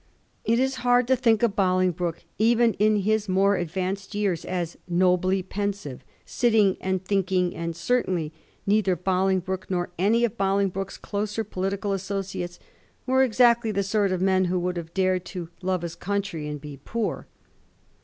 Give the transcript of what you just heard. It is hard to think of Bolingbroke, even in his more advanced years, as * nobly pensive,' sitting and think ing, and certainly neither Bolingbroke nor any of Bolingbroke's closer political associates was exactly the sort of man who would have dared * to love his country and be poor.'